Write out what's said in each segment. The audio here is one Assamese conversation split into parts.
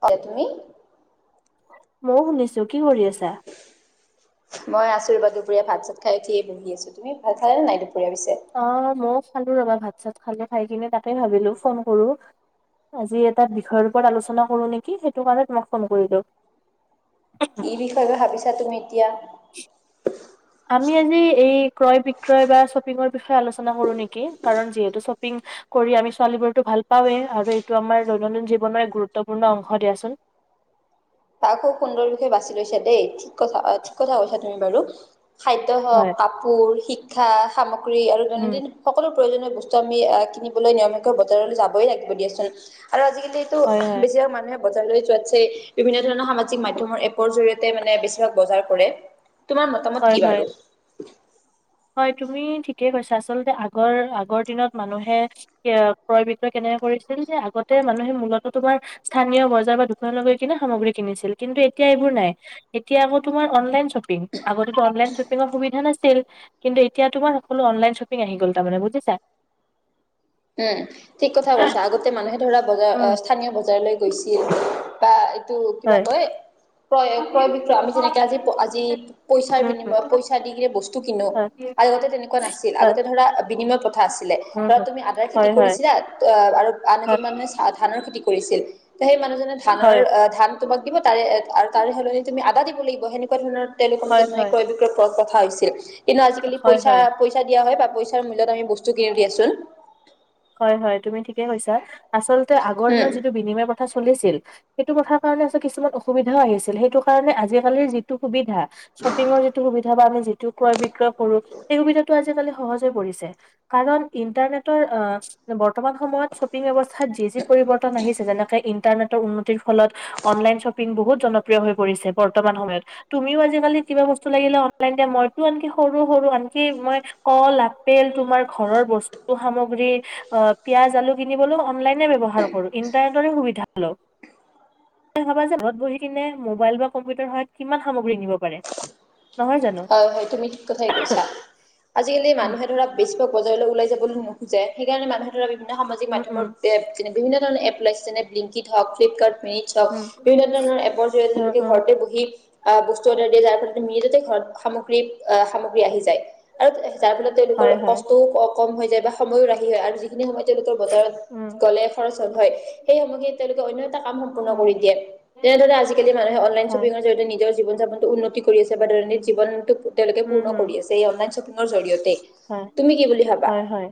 হয় তুমি ময়ো শুনিছো কি কৰি আছা? দুই বা দুপৰীয়া ভাত চাত খাই উঠি বহি আছো। তুমি ভাত খালা নাই দুপৰীয়া পিছে? অ মইয়ো খালো ৰবা ভাত চাত খালো, খাই কিনে তাকে ভাবিলো ফোন কৰো। আজি এটা বিষয়ৰ ওপৰত আলোচনা কৰোঁ নেকি সেইটো কাৰণে মই ফোন কৰিলো। কি বিষয়ে ভাবিছা তুমি এতিয়া? আমি আজি এই ক্ৰয় বিক্ৰয় বা শ্বপিঙৰ বিষয়- আলোচনা কৰো নেকি কাৰণ যিহেতু শ্বপিং কৰি আমি ছোৱালীোৰতটো ভাল পাওঁয়ে আৰু এইটো আমাৰ দৈনন্দিন জীৱনৰ এক গুৰুত্বপূৰ্ণ অংশ দিয়াচোন। তাক খুব সুন্দৰ বিষয়ে বাছি লৈছা দেই ঠিক কথা ঠিক কথা কৈছা তুমি বাৰু। খাদ্য হওঁক হয় কাপোৰ, শিক্ষা, সামগ্ৰী আৰু উম দৈনন্দিন সকলো প্ৰয়োজনীয় বস্তু আমি কিনিবলৈ নিয়মীয়াকৈ বজাৰলৈ যাবই লাগিব দিয়াচোন। আৰু আজিকালিটো হয় হয় বেছিভাগ মানুহে বজাৰ লৈ যোৱাতছে বিভিন্ন ধৰণৰ সামাজিক মাধ্যমৰ এপৰ জৰিয়েতে মানে বেছি ভিগ বজাৰ কৰে। তোমাৰ মতামত হয় কি হয় বাৰু? হয় তুমি ঠিকেই কৈছা আচলতে আগৰ আগৰ দিনত মানুহে ক্ৰই বিক্ৰই কেনে কৰিছিল যে আগতে মানুহে মূলত তোমাৰ স্থানীয় বজাৰ বা দোকানলৈ গৈ কিনে সামগ্ৰী কিনিছিল। কিন্তু এতিয়া এইবোৰ নাই এতিয়া আকৌ তোমাৰ অনলাইন শ্বপিং আগতেটো অনলাইন শ্বপিঙৰ সুবিধা নাছিল। কিন্তু এতিয়া তোমাৰ সকলো অনলাইন শ্বপিং আহি গল তাৰমানে বুজিছা। উম ঠিক কথা কৈছা আগতে মানুহে ধৰা বগা উম স্থানীয় বজাৰলৈ গৈছিল বা এইটো কিবা হয় কয় ক্ৰয় হয় ক্ৰয় বিক্ৰ আমি যেনেকে আজি আজি পইচাৰ বিনিময় পইচা দি কিনে বস্তু কিনো হয় আগতে তেনেকুৱা নাছিল হয় আগতে ধৰা বিনিময় প্ৰথা আছিলে উম, ধৰা তুমি আদাৰ খেতি হয় হয় কৰিছিলা অ আৰু আন হয় এজন মানুহে চা ধানৰ খেতি কৰিছিল। সেই মানুহজনে ধানৰ হয় ধান তোমাক দিব তাৰে তাৰ সলনি তুমি আদা দিব লাগিব সেনেকুৱা ধৰণৰ তেওঁলোকৰ হয় মাজত মে হয় হয় ক্ৰয় বিক্ৰয় পথ ৰখা হৈছিল কিন্তু আজিকালি হয় পইচা হয় পইচা দিয়া হয়। পইচাৰ মূল্যত আমি বস্তু কিনি দিয়াচোন। হয়, হয়। তুমি ঠিকেই কৈছা। আচলতে আগৰ দিনত উম যিটো বিনিময় প্ৰথা চলিছিল সেইটো কথাৰ কাৰণে আ কিছুমান অসুবিধাও আহিছিল। সেইটো কাৰণে আজিকালিৰ যিটো সুবিধা শ্বপিংৰ যিটো সুবিধা বা আমি সেইটো কোৱা বিষয়ে পৰসি সেই সুবিধাটো আজি কালি সহজে কৰিছে কাৰণ ইণ্টাৰনেটৰ আহ বৰ্তমান সময়ত শ্বপিং ব্যৱস্থাত যি যি পৰিৱৰ্তন আহিছে যেনেকে ইন্টাৰনেটৰ উন্নতিৰ ফলত অনলাইন শ্বপিং বহুত জনপ্ৰিয় হৈ পৰিছে বৰ্তমান সময়ত। তুমিও আজি-কালি কিবা বস্তু লাগিলে অনলাইন দিয়া ম হয়টো আনকি সৰু সৰু আনকি মই কল, আপেল তোমাৰ ঘৰৰ বস্তু সামগ্ৰী অ পিয়াজ, আলু কিনিবলৈ অনলাইনে ব্যৱহাৰ কৰো। ইণ্টাৰনেটৰে সুবিধা লও। ত ভাবা যে ঘৰত বহি কিনে মোবাইল বা কম্পিউটাৰৰ সহায়ত কিমান সামগ্ৰী কিনিব পাৰে। নহয় জানো? হয়, হয়। তুমি ঠিক কথাই কৈছা। আজিকালি উম, মানুহে ধৰা বেচিভাগ বজাৰলৈ যাবলৈ নোখোজে। সেইকাৰণে মানুহে ধৰা বিভিন্ন সামাজিক উম, মাধ্যমৰ উম, বিভিন্ন ধৰণৰ এপ ওলাইছে যেনে ব্লিংকিত হওক, ফ্লিপকাৰ্ট মি চওক উম, বিভিন্ন ধৰণৰ এপৰ জৰিয়তে অ', তেওঁলোকে অ', ঘৰতে বহি আহ বস্তু অৰ্ডাৰ দিয়ে যাৰ ফলত তেওঁ মিজ যাতে ঘৰত স সামগ্ৰী আহি যায় আৰু যাৰ ফলত তেওঁলোকৰ হয়, হয়, কষ্টও কম কম হৈ যায় বা সময়ো ৰাহি হয় আৰু যিখিনি সময় তেওঁলোকৰ বজাৰত উম, গ'লে খৰচ হল হয় সেই সময়খিনিত তেওঁলোকে অন্য কাম সম্পূৰ্ণ উম, কৰি দিয়ে। তেনেদৰে আজিকালি মানুহে অনলাইন হয়, শ্বপিঙৰ জৰিয়তে নিজৰ জীৱন যাপনতো উন্নতি কৰি আছে বা দৈনন্দিক জীৱনতটো তেওঁলোকে উম, পূৰ্ণ উম, কৰি আছে এই অনলাইন শ্বপিঙৰ জৰিয়তেই। হয়, হয়। হয়।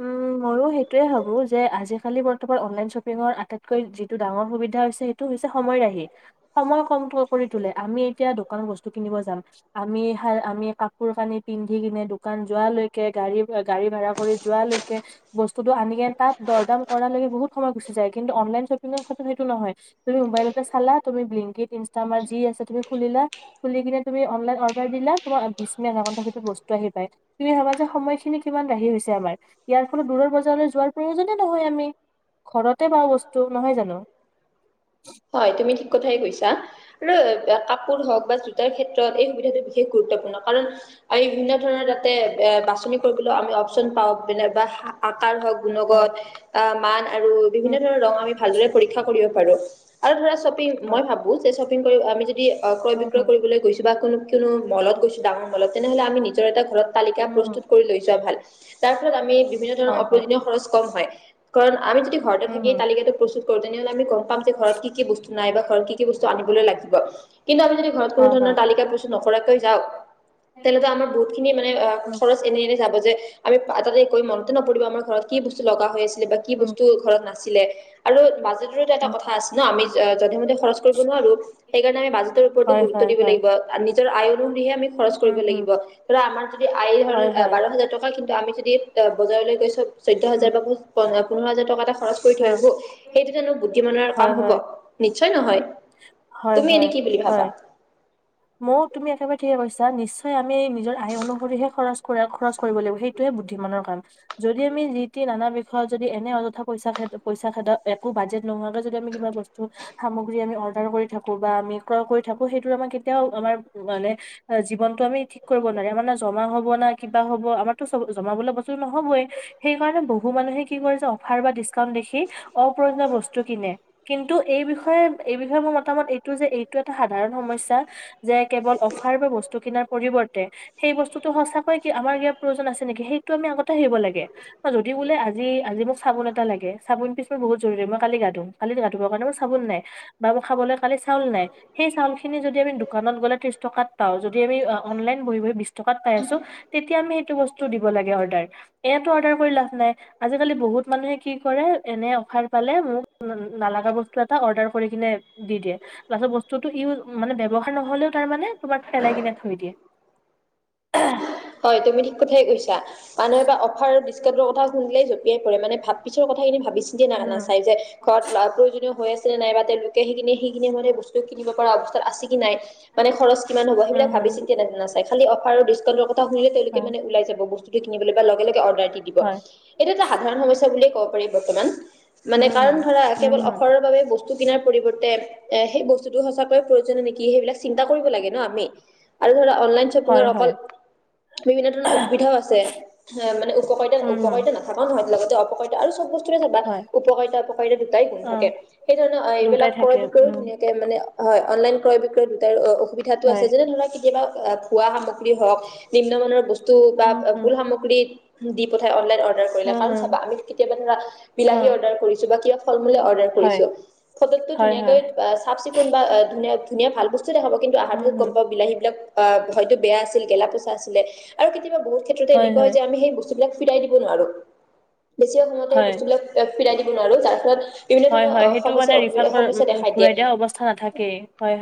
উ মোৰ সেই টোৱে ভাবো যে আজি-কালি বৰ্তমান অনলাইন শ্বপিংৰ আটাইতকৈ যিটো ডাঙৰ সুবিধা হৈছে সেইটো হৈছে সময় ৰাখ হী সময় কম কৰি পোৱা তুলে আমি এতিয়া দোকান বস্তু কিনিব যাম আমি কা কাপোৰ কানি পিন্ধি কিনে দো দোকান যোৱালৈকে গাড়ী গাড়ী ভাড়া কৰি যোৱালৈকে বস্তুটো আনে কিনে তাত দৰদাম কৰা লৈক বহুত সময় গুচি যায়। কিন্তু অনলাইন শ্বপিংৰ ক্ষেত্ৰত সেটো নহয়। তুমি মোবাইলতে চালা তুমি ব্লিনকীত, ইনষ্টা মাৰ্কে যি আছে তুমি খুলিলা। খুলি কিনে তুমি অনলাইন অৰ্ডাৰ দিলা। তোমাৰ বিছ মিনিট, আধা ঘণ্টাত বস্তু আহিল। তুমি ভাবা যে সময়খিনি কিমান ৰাহি হৈছে আমাৰ। ইয়াৰ ফলত দূৰৰ বজাৰলৈ যোৱাৰ প্ৰয়োজনে নহয় আমি। ঘৰতে পাও বস্তু, নহয় জানো? [inaudible] হয় তুমি ঠিক কথাই কৈছা আৰু কাপোৰ হওক বা জোতাৰ ক্ষেত্ৰত এই সুবিধাটো বিশেষ গুৰুত্ব পূৰ্ণ কাৰণ আমি বিভিন্ন ধৰণৰ তাতে এ বাছনি কৰিবলৈও আমি অপচন পাওঁ প বা আকাৰ হওক, হয় গুণগত আহ মান আৰু উম বিভিন্ন ধৰণৰ ৰঙ আমি ভালদৰে পৰীক্ষা কৰিব পাৰো। আৰু ধৰা শ্বপিং হয় মই ভাবোঁ যে শ্বপিং কৰি আমি যদি ক্ৰয় উম বিক্ৰয় হুম কৰিবলৈ গৈছোঁ বা কোনো কোনো মলত গৈছো ডাঙৰ মলত তেনেহলে আমি নিজৰ এটা ঘৰত তালিকা উম হুম প্ৰস্তুত কৰি লৈ যোৱা ভাল। তাৰ ফলত আমি বিভিন্ন ধৰণৰ হয় হয় অপ্ৰয়োজনীয় খৰচ কম হয় কাৰণ আমি যদি ঘৰতে উম থাকি হুম তালিকাটো প্ৰস্তুত কৰোঁ তেনেহলে আমি গম পাম যে ঘৰত কি কি বস্তু নাই বা ঘৰত কি কি বস্তু আনিবলৈ লাগিব। কিন্তু আমি যদি ঘৰত কোনো হয় ধৰণৰ হয় তালিকা প্ৰস্তুত নকৰাকৈ যাও তেনেতো আমাৰ বহুত খিনি উম মানে অ খৰচ এনে এনে যাব যে আমি তাতে কৈ মনতে নপৰিব আমাৰ ঘৰত কি বস্তু লগা হৈ আছিল বা কি উম বস্তু ঘৰত নাছিল। ছিলে আৰু বাজেটৰটো এটা উম কথা আছে ন। আমি যধে মে খৰছ কৰি সেইকাৰণে আমি বাজেটৰ ওপৰতো হয় গুৰুত্ব হয় দিব হয় লাগিব। নিজৰ আয় অনুসৰিহে আমি খৰচ কৰিব উম হুম লাগিব। ধৰা আমাৰ যদি আই হল হয় হয় বাৰ হাজাৰ টকা কি আমি যদি বজাৰলৈ গৈছো চৈধ্য উম হাজাৰ বা প পোন্ধৰ হাজাৰ টকা এটা খৰচ কৰি থৈ হা আহো, সেইটো জানো বুদ্ধিমানৰ হয় কাম হব? হয় নিশ্চয় নহয়। তুমি এনেই কি বুলি ভাবা? মও তুমি একেবাৰে ঠিকে কৈছা। নিশ্চয় আমি নিজৰ আয় অনুসৰিহে খৰচ কৰা খৰচ কৰিব লাগিব। সেইটোহে বুদ্ধি মানৰ কাম। যদি আমি জি তি নানা ব্যৱহাৰ যদি এনে অযথা পইচা খেদা পইচা খেদাও একো বাজেট নোহোৱাকে যদি আমি কিবা বস্তু সামগ্ৰী আমি অৰ্ডাৰ কৰি থাকো বা আমি ক্ৰয় কৰি থাকো সেইটো আমাৰ এতিয়াও আমাৰ মানে জীৱনটো আমি ঠিক কৰিব নোৱাৰি। মানে জমা হব না কিবা হব আমাৰতো চব জমাবলৈ বস্তু নহবয়ে। সেইকাৰণে বহু মানুহে কি কৰে অফাৰ বা ডিছকাউণ্ট দেখি অপ্ৰয়োজনীয় বস্তু কিনে। কিন্তু এই বিষয়ে এই বিষয়ে মোৰ মতামত এইটো যে এইটো এটা সাধাৰণ সমস্যা। যে কেৱল অফাৰ বা বস্তু কিনাৰ পৰিৱৰ্তে সেই বস্তুটো সঁচাকৈ কি আমাৰ ইয়াৰ প্ৰয়োজন আছিল সেইটো আমি আগতে হ আহিব লাগে যদি বোলে আজি আজি মোক চাবোন এটা লাগে চাবোন পিছ মই বহুত জৰুৰী মই কালি গা ধোম কালি গাুবৰ কাৰণে মোৰ চাল নাই বা মোৰ খাবলৈ কালি চাউল নাই সেই চাউল খিনি যদি আমি ঘনট গলে টিছ টকাত পাওঁ যদি আমি অনলাইন বহি বহি বিছ টকাত পাই আছো তেতিয়া আমি সেই টো বস্ত লাগে অৰ্ডাৰ এইটো অৰ্ডাৰ কৰিলে লাভ নাই, আজি কালি বহু মানুহে কি কৰে এনে অফাৰ পালে নালাগা বস্ত এটা অৰ্ডাৰ কিনে দি দিয়ে তাৰ পাছত বস্তুটো ইউ মানে ব্যৱহাৰ নহ'লেও তাৰ মানে তোমাৰ ফেলাই কিনি থৈ দিয়ে মানহবা অফাৰ বিস্কাটৰ কথািলে জপিয়াই পৰে মানে ভাত পিছৰ কথাখিনি ভাবি চিন্তা নানা উম, চাই যে ঘৰত প্ৰয়োজনীয় হৈ আছে নে নাই বা তেওঁলোকে সি কিনে হেই কিনে মানে বসু কিনিব অৱস্থাত আছে কি নাই মানে খৰচ কিমান হ'ব উম, সেইবাক ভাব হুম, চিন্ত নাচাই অফাৰ আৰু শুলে তেওলোকে হয়, মানে ওলাই যাব বস্তটো কিনিবলৈ বা লগে লগে অৰ্ডাৰ ব হয়, পাৰ ব মান উম, কাৰ হুম, ধৰ উম, অ হুম, বস্তু কিনাৰ পৰিৱৰ্তে এ সেই বস্তুটো সঁচাকৈয়ে প্ৰয়োজনীয় নেকি সেইবিলাক চিন্তা কৰিব লাগে ন আমি। আৰু ধৰা অনলাইন হয়, শ্বপিঙৰ হয়, অকল বিভিন্ন ধৰণৰ অসুবিধাও আছে হ মানে উপকাৰিতা উম, হুম, উপকাৰিতা নাথাক নহয় লগতে অপকাৰিত আৰু চব বস্ত বা হয়, উপকাৰিতা অপকাৰিতা দুটাই গুণ থাকে অ', সেই ধৰণে দুটাই এইবিলাক থাকে, ক্ৰয় বিক্ৰয় উম, ধুনীয়াকে মানে হয় অনলাইন ক্ৰয় বিকয় দুটাৰ অসুবিধাতটো আছে হয়, যেনে ধৰা কেতিয়াবা খোৱা সামগ্ৰী হওক বিভিন্ন ধৰণৰ বস্ত বা উম, হুম, ফুল সামগ্ৰী দি পথাই অৰ্ডাৰ কৰিলে হুম, কাৰণ হুম, চাবা আমি কেতিয়াবা ধৰা বিলাহী হুম, অৰ্ডাৰ কৰিছো বা কিয় চপ বোলে অৰ্ডাৰ হয়, কৰিছোঁ ফটোত টো হয়, হয়, ধুনীয়াকেই চাফ চিকুণ বা ধুনীয়া ভাল বস্তু ব কিন্তু আহাৰ উম, পাছত হুম, গম পাব বিলাহী বিলাক আহ হয়তো বেয়া আছিল গেলা পোচা আছিল। আৰু কেতিয়াবা বহুত ক্ষেত্ৰতে এনেকুৱা হয় যে আমি সেই বস্তুবিলাক ফিৰাই দিব নোৱাৰো। বেছি সময়তে হয়, বস্তুবিলাক ফৰাই দিব নো তাৰ ফলত বিভিন্ন হয়, ধৰণৰ অ হয়, সেইটো সমস্যা মানে অসুবিধা ৰিফাণ্ড কৰা সমস্যা উম, উম, দেখা দিয়ে ঘূৰাই দিয়া অৱস্থা নাথাকেই, হয়,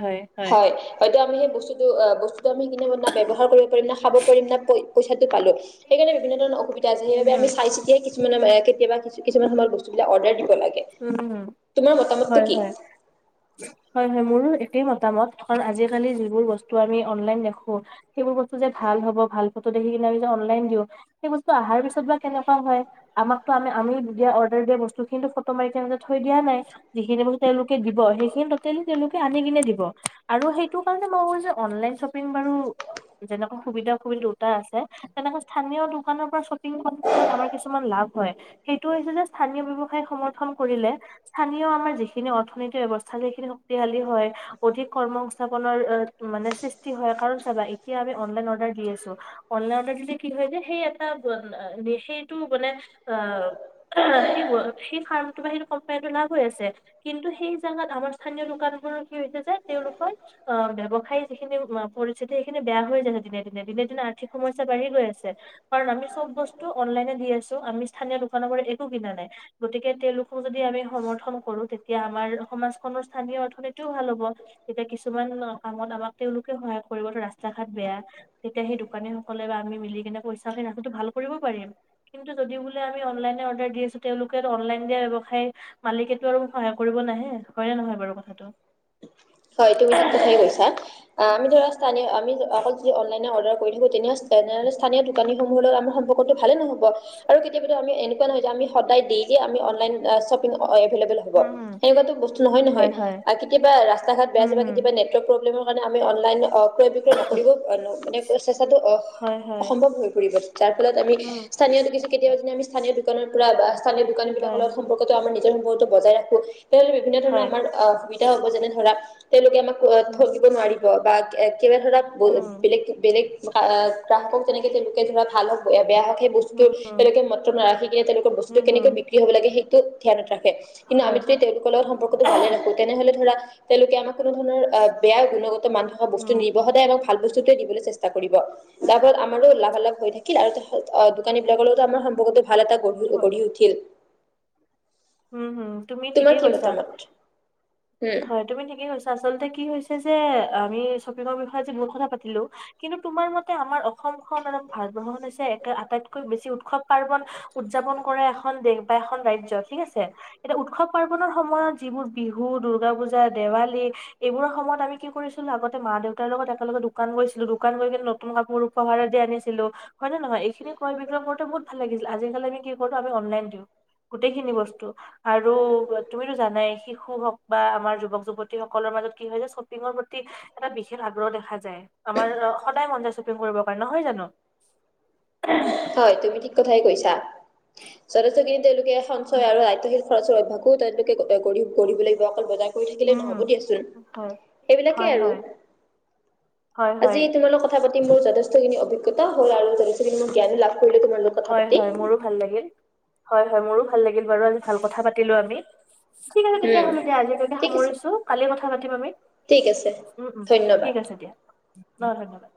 হয়। হয়তো আমি সেই বস্তুটো অ বস্তুটো আমি কিনি ব্যৱহাৰ কৰিব পাৰিম ন। পাব পম না পইচাটো পালো সেইকাৰণ বিভিন্ন ধৰণৰ অসুবিধা আ উম, সেইবাবে উম, আমি চাই চিতিয়ে কিছুমান কেতিয়াবা কিছুমান সময়ত বস্তুবিলাক অৰ্ডাৰ দিম উম হয় কি হয় হয় হয় মোৰো একেই মতামত কাৰণ আজিকালি যিবোৰ বস্তু আমি অনলাইন দেখো সেইবোৰ বস্তু যে ভাল হ'ব ভাল সেইতো দেখি কিনাই আমি যে অনলাইন দিওঁ সেই বস্ত আহা পাছত বা কেনেকা হয় আমাক টো আমি তেতিয়া অৰ্ডাৰ বস্তুখিনি টো থ দিয়া নাই যিখিনি বস্তু তেওঁলোকে দিব সেইখিনি বস্তু তেওঁলোকে আনি কিনে দিব আৰু। সেইটো কাৰণে মই ভাবিছোঁ অনলাইন শ্বপিং বাৰু যেনেকা সুবিধা অসুবিধা দুটা আছে তেনেকুৱা স্থানীয় দোকানৰ পৰা শ্বপিং মলত আমাৰ কিছুমান লাভ হয় সেইটো হৈছে যে স্থানীয় ব্যৱসায় সম কৰিলে স্থানীয় আমাৰ যিখিনি অৰ্থনীতি ব্যৱস্থা সেইখিনি শক্তিশালী হয় অধিক কৰ্ম সকলৰ মানে সিষ্টি হয় কাৰণ কিয় বা এতিয়া আমি অনলাইন অৰ্ডাৰ দি আছোঁ অনলাইন থাকিলে কি সেই এটা তা সেইটো কোম্পানীটো লাভ হৈ আছে কিন্তু সেই জাগাত আমাৰ স্থানীয় দোকান বোৰৰ কি হৈছে যে তেওঁলোকৰ অ ব্যৱসায়ি যিখিনি পৰিস্থিতি সেইখিনি বেয়া হৈ যায়ছে দিনে দিনে দিনে দিনে আৰ্থিক সমস্যা বাঢ়ি গৈ আছে কাৰণ আমি চব বস্তু অনলাইনে দি আছো আমি স্থানীয় দোকানৰ পৰা একো কিনা নাই, গতিকে তেওঁলোক যদি আমি সমৰ্থন কৰো তেতিয়া আমাৰ সমাজখনৰ স্থানীয় অৰ্থনীতিও ভাল হ'ব তেতিয়া কিছুমান কামত আমাক তেওঁলোকে সহায় কৰিব ৰাস্তাত ভাত বেয়া তেতিয়া সেই দোকানী সকলে বা আমি মিলি কেনে পইচাে না ভাল কৰিব পাৰিম কিন্তু যদি বোলে আমি অনলাই অৰ্ডাৰ দি আছো তেওঁলোকে অনলাইন দিয়াৰ আগত মালিকেতটো আৰু সহায় কৰিব নাহে হয়নে নহয় বাৰু কথাটো হয় তুমি ঠিক কথাই কৈছা আমি ধৰা স্থানীয় আমি আমাৰ যি অনলাইন অৰ্ডাৰ কৰি থাকো তেনেও স্থানীয় দোকানী সমূহৰ আমাৰ সম্পৰ্কটো ভালে নহয়। অহ আৰু কেতিয়াবা টো আমি এনেকোৱা নহয় যে আমি সদায় দিয়ে যে অনলাইন অঁ শ্বপিং উম হম সেৱা টো বস্তু নহয় নহয় হয় হয় আৰু কেতিয়াবা ৰাস্তা ঘাট বেয়া উম আছে বা হম কেতিয়াবা নেটৱৰ্ক প্ৰব্লেম কাৰণে আমি অন ক্ৰয় বিক্ৰয় নকৰিব মানে চেষ্টাটো অ হয় হয় অসম্ভৱ হৈ পৰিব যাৰ ফলত আমি উম স্থানীয় কেতিয়দি আমিছ স্থানীয় দোকানৰ পৰা বা স্থানীয় দোকানী বিলাক হয় লগত সম্পৰ্কটো আমাৰ নিজৰ সম্পৰ্কটো বজাই ৰাখ - লে বিভিন্ন ধৰণৰ হয় আমাৰ অ সুবিধা হ'ব যেনে ধৰা তেওঁলোকে আমাক উম ঠগিব নোৱাৰিব বা কেবা ধৰাক উম বেলেগ বেলেগ গ্ৰাহকক যেনেকৈ তেওঁলোকে ধৰা ভাল হওক বেয়া হওক সেই বস্তু উম তেওঁলোকে উম মত্ৰ নাৰখি কেনেকে বস্তুটো উম কেনেকৈ বিক্ৰী হব লাগে সেইটো ধ্যানত ৰাখ- কিন্তু আমি হয় যদি তেওঁলোকৰ লগত সম্পৰ্কটো ভালে ৰাখো তেনেহলে ধৰা তেওঁলোকে আমাক কোনো ধৰণৰ বেয়া গুণগতনহ হোৱা বস্তু উম নিব সদায় আমাক ভাল বস্তু দিবলৈ চেষ্টা- কৰিব। তাৰ ফলত আমাৰো লাভালাভ হৈ থাকিল আৰু অ দোকানী বিলাকৰো আমাৰ সম্পৰ্কতটো ভাল এটা গঢ়িব। গঢ়ি উঠিল। উম তুমি তোমাৰ ঠিকে কি কৈছা মতামত উম হয় তুমি ঠিকে কৈছা আচলতে কি হৈছ- যে আমি শ্বপিঙৰ বিষয় জি বহু কথা পালো কিন্তু তোমাৰ মতে আমাৰ অসমখন আৰু ভাৰতবৰ্ষখন হৈছে আটাইতকৈ বেছি উৎসৱ পাৰ্বন উদযাপন কৰে এখন দেশ বা এখন ৰাজ্যত ঠিক আছে এতিয়া উৎসৱ পাৰ্বনৰ সময়ত যিবোৰ বিহু, দুৰ্গা পূজা, দেৱালী এইবোৰৰ সময়ত ত আমি কি কৰিছিলো আগতে মা দেউতাৰ লগত একেলগে দোকান গৈছিলো। দোকান গৈ কিনে নতুন কাপোৰ উপহাৰ দি আনিছিলো হয় নে নহয় এইখিনি ক্ৰয় বিক্ৰয় কৰোতে বহুত ভাল লাগিছিল আজিালি আমি কি- হয়টো আমি অনলাইন দিওঁ গোটেই খি- আৰু তুমিতো জানাই শিশু হওক বা আমাৰ যুৱক- যুৱতী সকলৰ মাজত কি হয় যে শ্বপিঙৰ প্ৰতি এটা বিশ- শেষ আগ্ৰহ দেখা যায়। আমাৰ সদায় মন যায় শ্বপিং কৰিবৰ কাৰণে নহয় জানো। হয় তুমি ঠিক কথাই কৈছা। যথেষ্টখিনি তেওঁলোকে সঞ্চয় আৰু আয়িত্বশীল খৰচৰ অভ্যাসো তৈলবিষ কে তই গঢ়িব গঢ়িবলে জুৱা অকল বজাৰ কৰি থাকিলে উম নহ'ব দিয়াচোন। হয় সেইবিলাকেই হয় আৰু হয় হয় আজি হয় তোমালোক কথা পাতি মোৰ যথেষ্টখিনি অভিজ্ঞতা হল আৰু যথেষ্টখিনি মোৰ জ্ঞানো লাভ কৰিলোঁ তোমাৰ লগত কথা হয় পাতি। হয় মোৰো ভাল লাগিল হয় হয় মোৰো ভাল ল বাৰু আজি ভাল কথা পাতিলো আমি। ঠিক আছে তেতিয় হলে দিয়া উম, আজিলৈ ঠিক আছে, সামৰিছো কালি কথা পাতিম আমি। ঠিক আছে, উম উম ঠিক ধন্যবাদ। আছে দিয়া অ ধন্যবাদ।